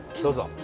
どうぞ。